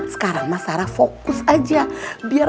mudahan dulu ya ustazah ya